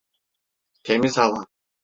Temiz hava…